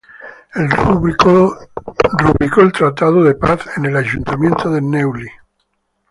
El rubricó el tratado de paz en el ayuntamiento de Neuilly.